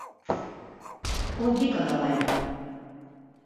Ул бик арығайны.